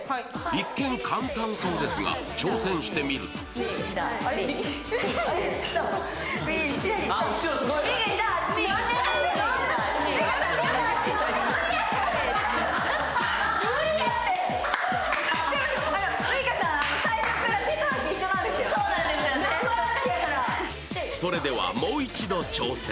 一見簡単そうですが、挑戦してみるとそれではもう一度挑戦。